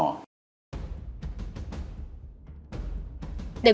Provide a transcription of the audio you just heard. để qua máy tính